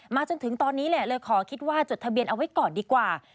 จนถึงตอนนี้แหละเลยขอคิดว่าจดทะเบียนเอาไว้ก่อนดีกว่า